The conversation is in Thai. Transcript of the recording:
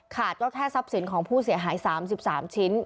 ก็แค่ทรัพย์สินของผู้เสียหาย๓๓ชิ้น